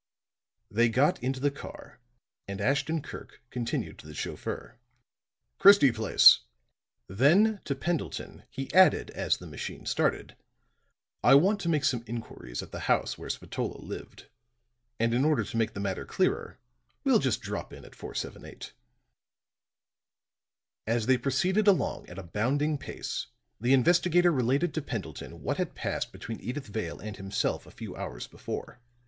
They got into the car, and Ashton Kirk continued to the chauffeur: "Christie Place." Then to Pendleton, he added as the machine started, "I want to make some inquiries at the house where Spatola lived; and in order to make the matter clearer, we'll just drop in at 478." As they proceeded along at a bounding pace, the investigator related to Pendleton what had passed between Edyth Vale and himself a few hours before.